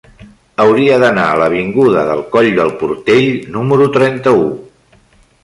Hauria d'anar a l'avinguda del Coll del Portell número trenta-u.